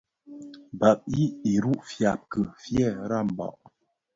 Bàb i iru fyàbki fyëë rembàg.